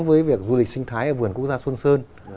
với việc du lịch sinh thái ở vườn quốc gia xuân sơn